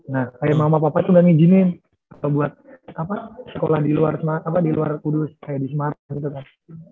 nah kayak mama papa tuh nggak ngijinin buat sekolah di luar kudus kayak di semarang gitu kan